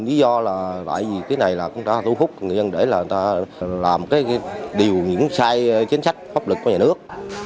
lý do là tại vì cái này là chúng ta thu hút người dân để làm điều những sai chính sách pháp luật của nhà nước